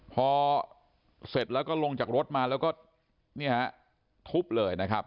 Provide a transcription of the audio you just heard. พอเสร็จแล้วก็ลงจากรถมาแล้วก็ทุบเลยนะครับ